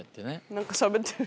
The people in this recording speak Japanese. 何かしゃべってる。